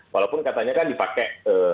walaupun katanya kan dipakai